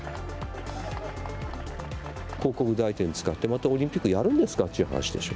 広告代理店使って、またオリンピックやるんですかっちゅう話でしょ。